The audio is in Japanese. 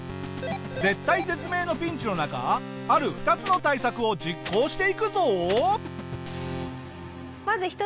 絶体絶命のピンチの中ある２つの対策を実行していくぞ！